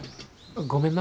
ごめんな。